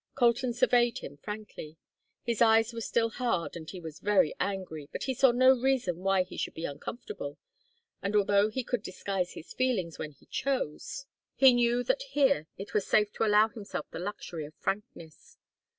Colton surveyed him frankly. His eyes were still hard and he was very angry, but he saw no reason why he should be uncomfortable, and although he could disguise his feelings when he chose, he knew that here it was safe to allow himself the luxury of frankness.